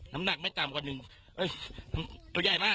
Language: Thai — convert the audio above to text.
น้ำหนักไม่ต่ำกว่า๑